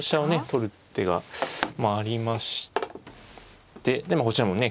取る手がありましてでもこちらもね